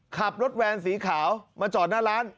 ขับรถแวนสีขาวมาจอดหน้าร้าน